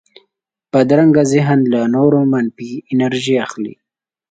بدرنګه ذهن له نورو منفي انرژي اخلي